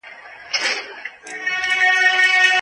{تَنزِيلٌ مِّنَ الرَّحْمَانِ الرَّحِيمِ.